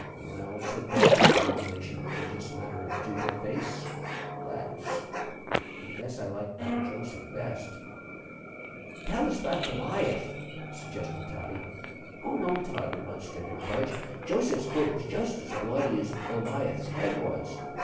"Well," said Budge, with the regulation religious matter of duty face, "let's. I guess I like 'bout Joseph best." "Tell us 'bout Bliaff," suggested Toddie. "Oh, no, Tod," remonstrated Budge; "Joseph's coat was just as bloody as Goliath's head was."